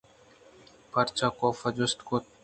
پرچہ ؟کافءَ جست کُت